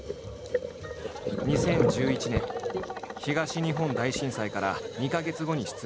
２０１１年東日本大震災から２か月後に出演したトーク番組。